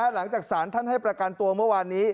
หลังจากสารท่านให้ประกันตัวเมื่อวานนี้